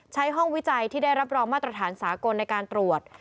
ใช้ห้องวิจัยที่ได้รับรองมาตรฐานสากลในการตรวจ